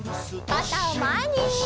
かたをまえに！